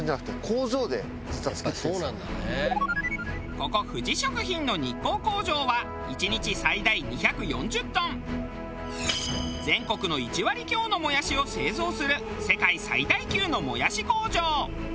ここ富士食品の日光工場は１日最大２４０トン全国の１割強のもやしを製造する世界最大級のもやし工場。